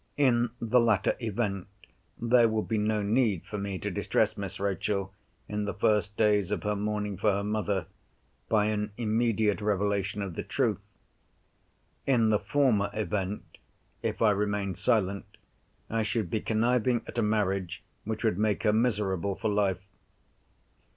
In the latter event, there would be no need for me to distress Miss Rachel, in the first days of her mourning for her mother, by an immediate revelation of the truth. In the former event, if I remained silent, I should be conniving at a marriage which would make her miserable for life.